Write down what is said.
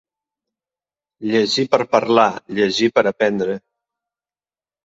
Llegir per parlar, llegir per aprendre.